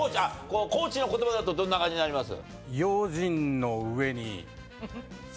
高知の言葉だとどんな感じになります？